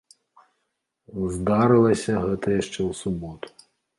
Здарылася гэта яшчэ ў суботу.